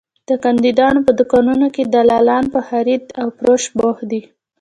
د کاندیدانو په دوکانونو کې دلالان په خرید او فروش بوخت دي.